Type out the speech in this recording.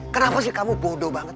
kenapa sih kamu bodoh banget